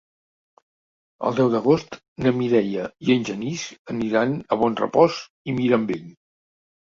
El deu d'agost na Mireia i en Genís aniran a Bonrepòs i Mirambell.